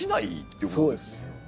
そうです。